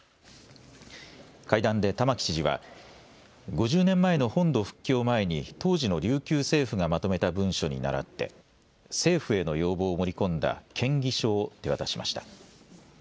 会談で玉城知事は５０年前の本土復帰を前に当時の琉球政府がまとめた文書にならって政府への要望を盛り込んだ建議書を手渡しました。